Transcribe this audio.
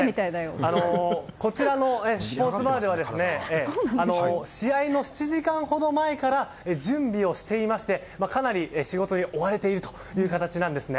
こちらのスポーツバーでは試合の７時間ほど前から準備をしていましてかなり仕事に追われている形なんです。